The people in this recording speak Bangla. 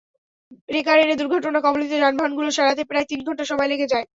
রেকার এনে দুর্ঘটনা কবলিত যানবাহনগুলো সরাতে প্রায় তিন ঘণ্টা সময় লেগে যায়।